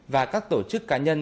và các tổ chức cá nhân